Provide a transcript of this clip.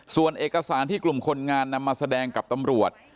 ส่วนเอกสารที่กลุ่มคนงานนำมาแสดงกับตำรวจ